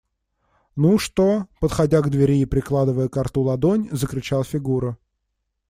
– Ну что? – подходя к двери и прикладывая ко рту ладонь, закричал Фигура.